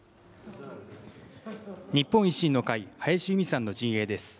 日本維新の会、林佑美さんの陣営です。